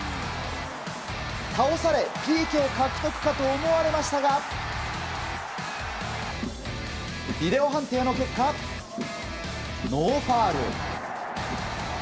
倒され、ＰＫ獲得かと思われましたがビデオ判定の結果、ノーファウル。